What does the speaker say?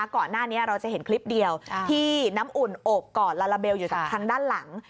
ก่อนหน้านี้เราจะเห็นคลิปเดียวที่น้ำอุ่นโอบกอดลาลาเบลอยู่จากทางด้านหลัง